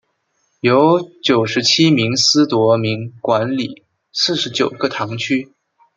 由九十七名司铎名管理四十九个堂区。